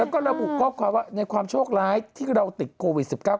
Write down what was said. แล้วก็ระบุข้อความว่าในความโชคร้ายที่เราติดโควิด๑๙